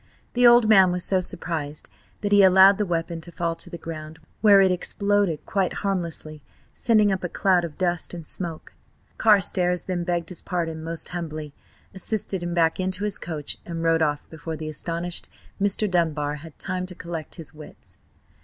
The old man was so surprised that he allowed the weapon to fall to the ground, where it exploded quite harmlessly, sending up a cloud of dust and smoke. Carstares then begged his pardon most humbly, assisted him back into his coach, and rode off before the astonished Mr. Dunbar had time to collect his wits.